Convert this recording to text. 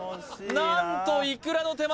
何とイクラの手前